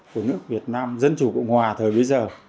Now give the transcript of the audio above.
của nước việt nam dân chủ cộng hòa thời bây giờ